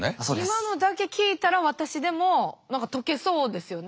今のだけ聞いたら私でも何か解けそうですよね。